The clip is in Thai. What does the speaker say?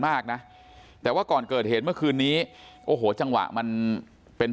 มากนะแต่ว่าก่อนเกิดเหตุเมื่อคืนนี้โอ้โหจังหวะมันเป็น